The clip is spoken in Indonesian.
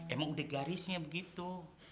emang udah garisnya begitu